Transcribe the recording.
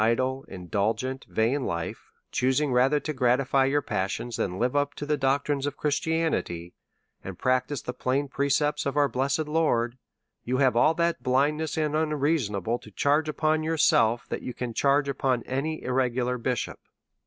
idle, indulgent, vain life, choosing rather to gratify your passions than to live up to the doctrines of Chris tianity, and practise the plain precepts of our blessed Lord, you have all that blindness and unreasonableness to charge upon yourself that you can charge upon any irregular bishop.